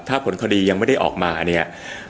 ถ้าผลคดียังไม่ได้ออกมาเนี่ย